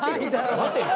待てよ！